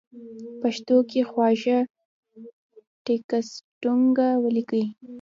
پښتو کې خواږه ټېکسټونه وليکئ!!